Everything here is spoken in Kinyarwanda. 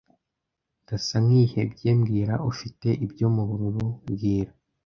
Ndasa nkihebye mbwira Ufite ibyo mubururu mbwira